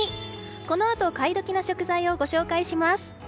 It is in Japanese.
このあと買い時の食材をご紹介します。